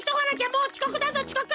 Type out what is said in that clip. もうちこくだぞちこく！